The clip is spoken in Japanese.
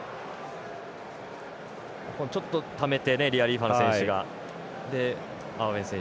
ちょっとためてリアリーファノ選手が。